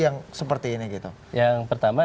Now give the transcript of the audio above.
yang seperti ini gitu yang pertama